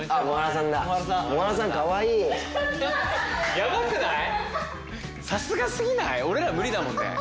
ヤバくない？